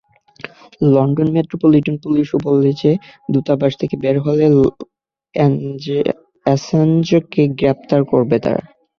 London metropolitan পুলিশও বলেছে, দূতাবাস থেকে বের হলে অ্যাসাঞ্জকে গ্রেপ্তার করবে তারা।